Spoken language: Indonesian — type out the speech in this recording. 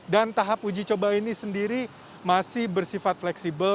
dan tahap uji coba ini sendiri masih bersifat fleksibel